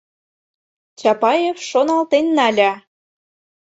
Чапаев шоналтен нале.